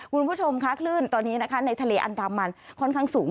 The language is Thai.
คุณผู้ชมค่ะคลื่นตอนนี้นะคะในทะเลอันดามันค่อนข้างสูง